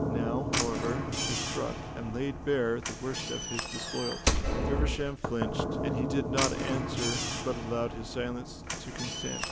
Now, however, she struck and laid bare the worst of his disloyalty. Feversham flinched, and he did not answer but allowed his silence to consent.